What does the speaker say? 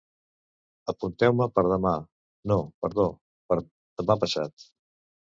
Apunteu-me per demà, no, perdó, per demà passat.